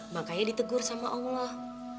makanya ditegur sama allah